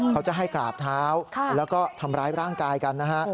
เขาจะให้กราบเท้าแล้วก็ทำร้ายร่างกายกันนะฮะ